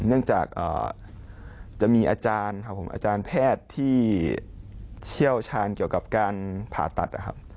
เนื่องจากจะมีอาจารย์ครับผมอาจารย์แพทย์ที่เชี่ยวชาญเกี่ยวกับการผ่าตัดนะครับ